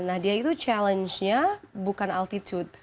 nah dia itu challenge nya bukan altitude